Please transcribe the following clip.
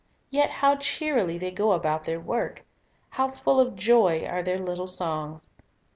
Yet how cheerily they go about their work ! how full of joy are their little songs